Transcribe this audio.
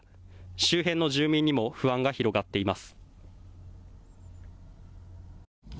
周辺の住民にも不安が広がっています。